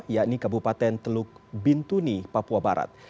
yakni kabupaten teluk bintuni papua barat